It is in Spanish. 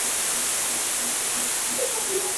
Pequeño parche en la garganta amarillo.